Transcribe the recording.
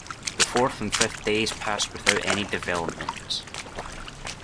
The fourth and fifth days passed without any developments.